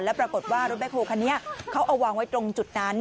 แล้วปรากฏว่ารถแบคโฮคันนี้เขาเอาวางไว้ตรงจุดนั้น